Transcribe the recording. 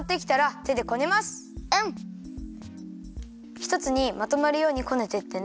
ひとつにまとまるようにこねてってね。